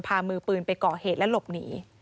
มือปืนไปก่อเหตุและหลบหนี